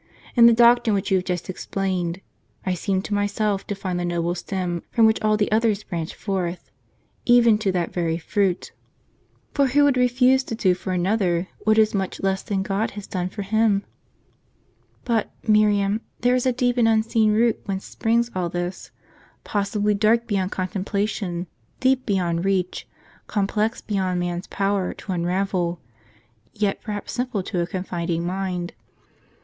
In the doctrine which you have just explained, I seem to myself to find the noble stem from which all the others branch forth — even to that very fruit. For who would refuse to do for another, what is much less than God has done for him? But, Miriam, there is a deep and unseen root whence springs all this, possibly dark beyond contemplation, deep beyond reach, complex beyond man's power to unravel; yet perhaps simple to a confiding mind.